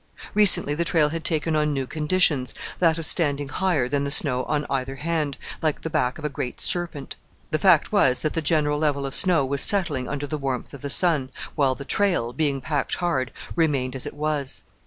Recently the trail had taken on new conditions, that of standing higher than the snow on either hand, like the back of a great serpent. The fact was that the general level of snow was settling under the warmth of the sun, while the trail, being packed hard, remained as it was.